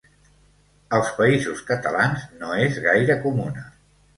Als Països Catalans no és gaire comuna.